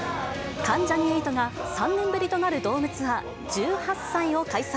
関ジャニ∞が３年ぶりとなるドームツアー、１８祭を開催。